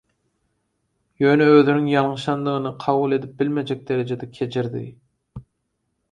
Ýöne özüniň ýalňyşandygyny kabul edip bilmejek derejede kejirdi.